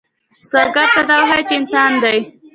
سوالګر ته دا وښایه چې انسان دی